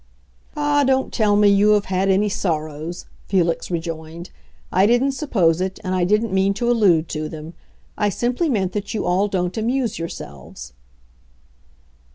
"Ah, don't tell me you have had any sorrows," Felix rejoined. "I didn't suppose it, and I didn't mean to allude to them. I simply meant that you all don't amuse yourselves."